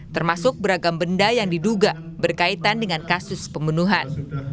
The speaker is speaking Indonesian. termasuk beragam benda yang diduga berkaitan dengan kasus pembunuhan